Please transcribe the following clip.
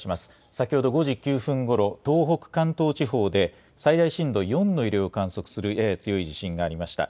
先ほど５時９分ごろ、東北、関東地方で最大震度４の揺れを観測するやや強い地震がありました。